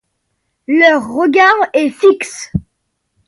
Leur regard est fixe.